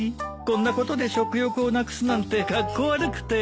こんなことで食欲をなくすなんてカッコ悪くて。